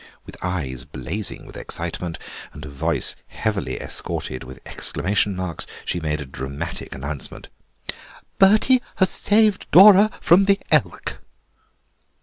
With eyes blazing with excitement and a voice heavily escorted with exclamation marks she made a dramatic announcement. "Bertie has saved Dora from the elk!"